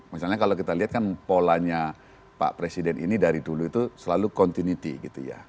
misalnya kalau kita lihat kan polanya pak presiden ini dari dulu itu selalu continuity gitu ya